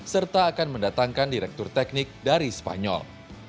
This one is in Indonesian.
serta akan mendatangkan direktur teknik dari spanyol